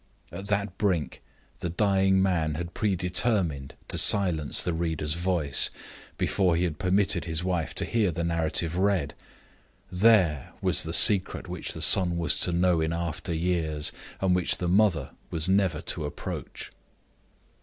At that brink the dying man had predetermined to silence the reader's voice, before he had permitted his wife to hear the narrative read. There was the secret which the son was to know in after years, and which the mother was never to approach.